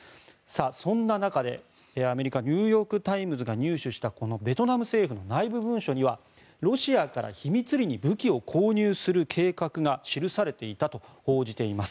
そんな中でアメリカニューヨーク・タイムズが入手したこのベトナム政府の内部文書にはロシアから秘密裏に武器を購入する計画が記されていたと報じています。